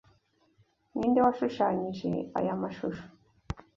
Ninde washushanyije aya mashusho?